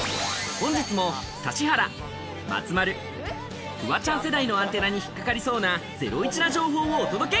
本日も指原、松丸、フワちゃん世代のアンテナに引っ掛かりそうなゼロイチな情報をお届け！